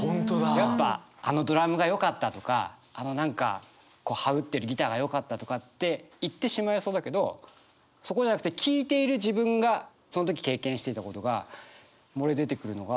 やっぱあのドラムがよかったとかあの何かハウってるギターがよかったとかって言ってしまいそうだけどそこじゃなくて聴いている自分がその時経験していたことが漏れ出てくるのが。